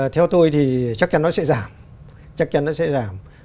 theo tôi thì chắc chắn nó sẽ giảm